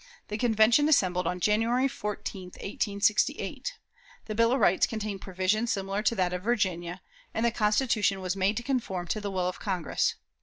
The Convention assembled on January 14, 1868. The Bill of Rights contained provisions similar to that of Virginia, and the Constitution was made to conform to the will of Congress.